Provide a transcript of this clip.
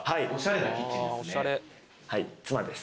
はい妻です。